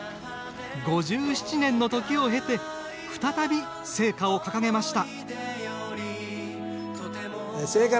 ５７年の時を経て再び聖火を掲げました。